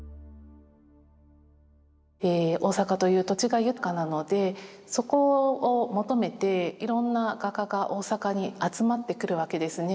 大阪という土地が豊かなのでそこを求めていろんな画家が大阪に集まってくるわけですね。